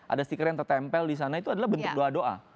ada stiker yang tertempel di sana itu adalah bentuk doa doa